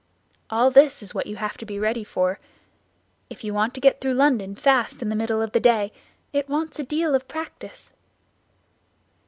All this is what you have to be ready for. If you want to get through London fast in the middle of the day it wants a deal of practice.